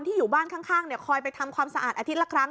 อยู่บ้านข้างคอยไปทำความสะอาดอาทิตย์ละครั้ง